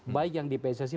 baik yang di pssi